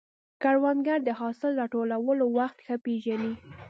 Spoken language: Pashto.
کروندګر د حاصل راټولولو وخت ښه پېژني